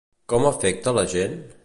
Com afecta la gent?